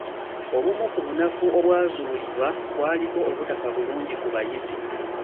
Obumu ku bunafu obwazuulibwa kwaliko obutafa bulungi ku bayizi.